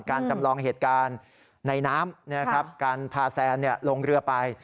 จำลองเหตุการณ์ในน้ำการพาแซนลงเรือไป